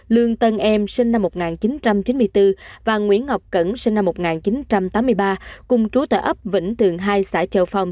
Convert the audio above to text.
lương tân em sinh năm một nghìn chín trăm chín mươi bốn và nguyễn ngọc cẩn sinh năm một nghìn chín trăm tám mươi ba cùng trú tại ấp vĩnh tường hai xã châu phong